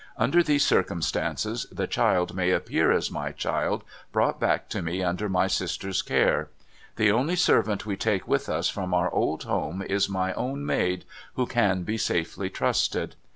Under these cir cumstances, the child may appear as my child, brought back to me under my sister's care. The only servant we take with us from our old home is my own maid, who can be safely trusted.